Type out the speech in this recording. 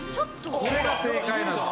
これが正解なんです。